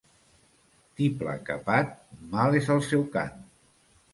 Tiple capat, mal és el seu cant.